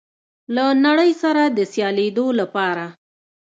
له نړۍ سره د سیالېدو لپاره